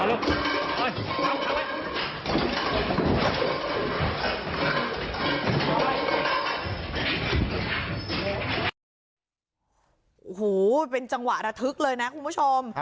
โอ้โหเป็นจังหวะระทึกเลยนะคุณผู้ชม